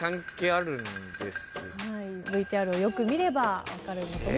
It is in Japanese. ＶＴＲをよく見れば分かる。